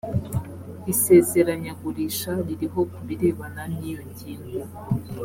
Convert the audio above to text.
isezeranyagurisha ririho ku birebana n iyo ngingo